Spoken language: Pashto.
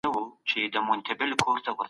تاسو باید خپل کار ته دوام ورکړئ.